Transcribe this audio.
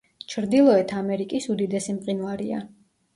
ჩრდილოეთ ამერიკის უდიდესი მყინვარია.